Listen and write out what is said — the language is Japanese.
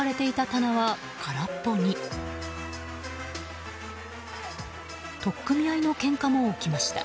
取っ組み合いのけんかも起きました。